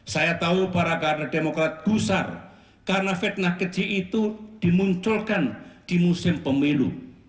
saya tahu para kader demokrat gusar karena fitnah keji itu dimunculkan di musim pemilu